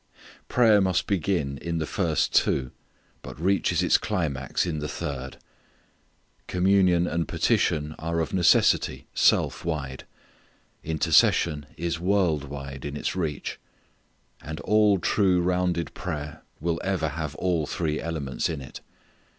Prayer must begin in the first two but reaches its climax in the third. Communion and petition are of necessity self wide. Intercession is world wide in its reach. And all true rounded prayer will ever have all three elements in it.